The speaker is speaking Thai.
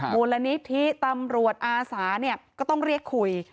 มูลนิธิตำรวจอาสาเนี่ยก็ต้องเรียกคุย